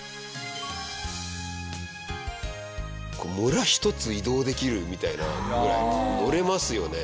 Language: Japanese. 村１つ移動できるみたいなぐらい乗れますよね